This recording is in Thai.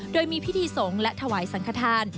โดยมีพิธีสงฆ์และถวายสังขทาน